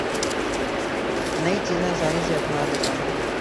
نئی چیزیں آسانی سے اپنا لیتا ہوں